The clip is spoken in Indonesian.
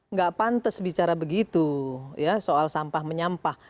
nggak pantes bicara begitu ya soal sampah menyampah